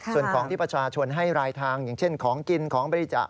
ส่วนของที่ประชาชนให้รายทางอย่างเช่นของกินของบริจาค